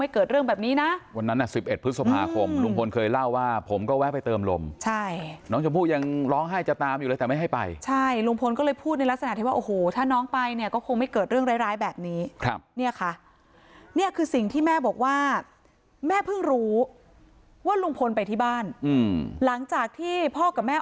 เกิดเรื่องแบบนี้นะวันนั้นน่ะสิบเอ็ดพฤษภาคมลุงพลเคยเล่าว่าผมก็แวะไปเติมลมใช่น้องชมพู่ยังร้องไห้จะตามอยู่เลยแต่ไม่ให้ไปใช่ลุงพลก็เลยพูดในลักษณะที่ว่าโอ้โหถ้าน้องไปเนี่ยก็คงไม่เกิดเรื่องร้ายร้ายแบบนี้ครับเนี่ยค่ะนี่คือสิ่งที่แม่บอกว่าแม่เพิ่งรู้ว่าลุงพลไปที่บ้านหลังจากที่พ่อกับแม่